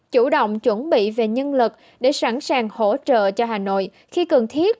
chủ động chuẩn bị về nhân lực để sẵn sàng hỗ trợ cho hà nội khi cần thiết